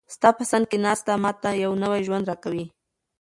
ستا په څنګ کې ناسته، ما ته یو نوی ژوند راکوي.